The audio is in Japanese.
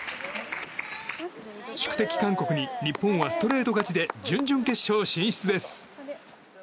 宿敵・韓国に日本はストレート勝ちで準々決勝進出です。